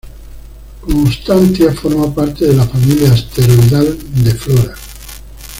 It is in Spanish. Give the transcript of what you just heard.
Constantia forma parte de la familia asteroidal de Flora.